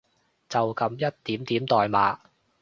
就噉一點點代碼